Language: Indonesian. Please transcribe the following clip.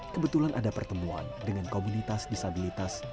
kebetulan ada pertemuan dengan komunitas disabilitas